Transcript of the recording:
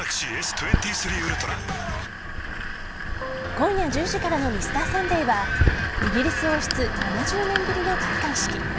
今夜１０時からの「Ｍｒ．サンデー」はイギリス王室７０年ぶりの戴冠式。